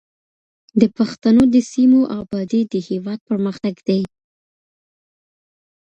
د پښتنو د سیمو ابادي د هېواد پرمختګ دی.